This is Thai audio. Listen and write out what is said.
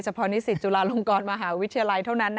เพราะนิสิตจุฬาลงกรมหาวิทยาลัยเท่านั้น